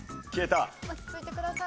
落ち着いてください。